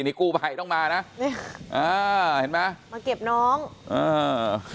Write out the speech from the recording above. นี่กู้ภัยต้องมานะนี่อ่าเห็นไหมมาเก็บน้องอ่า